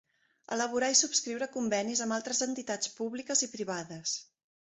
Elaborar i subscriure convenis amb altres entitats públiques i privades.